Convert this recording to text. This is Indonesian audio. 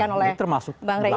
ini termasuk pelanggaran